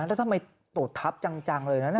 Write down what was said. แล้วทำไมตรวจทับจังเลยนะ